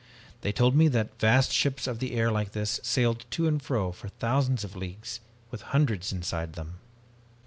They told me that vast ships of the air like this sailed to and fro for thousands of leagues with hundreds inside them.